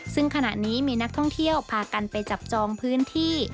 ซึ่งขณะนี้มีนักท่องเที่ยวพากันไปจับจองพื้นที่